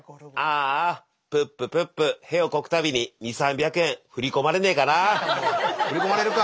ああプッププップ屁をこく度に２００３００円振り込まれねえかなあ。